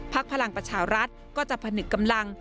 พลังประชารัฐก็จะผนึกกำลัง